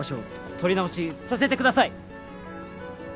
撮り直しさせてください